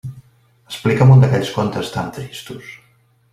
Explica'm un d'aquells contes tan tristos!